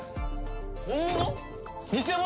本物？